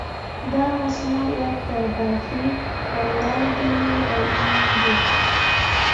دا مصونیت د برخلیک پر وړاندې اړین دی.